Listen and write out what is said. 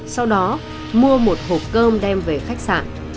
sau đó mua một hộp cơm đem về khách sạn